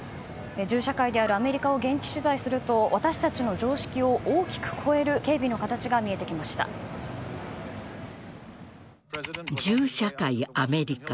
銃社会であるアメリカを現地取材すると私たちの常識を大きく超える銃社会・アメリカ。